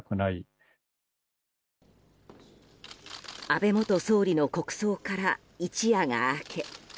安倍元総理の国葬から一夜が明け